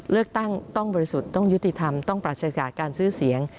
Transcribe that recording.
เลือกตั้งต้องบริสุทธิ์ต้องยุติธรรมต้องปราศจากการซื้อเสียง